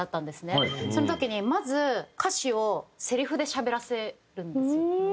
その時にまず歌詞をセリフでしゃべらせるんですよ。